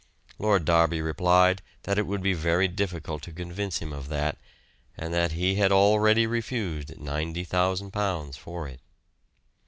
Lord Derby replied that it would be very difficult to convince him of that, and that he had already refused £90,000 for it.